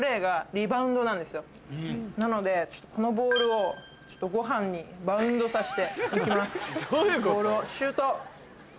なのでこのボールをご飯にバウンドさせて。